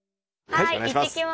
はいいってきます！